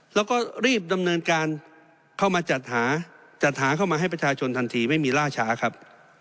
แล้วก็รีบดำเนินการเข้ามาจัดหาจัดหาเข้ามาให้ประชาชนทันทีไม่มีล่าช้าครับ